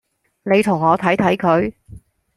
你同我睇睇佢